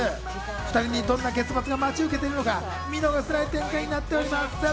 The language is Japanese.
２人にどんな結末が待ち受けているのか、見逃せない展開になっております。